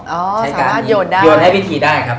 ใช้การโยนได้โยนให้พิธีได้ครับ